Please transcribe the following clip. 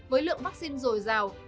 với lượng vắc xin dồi dào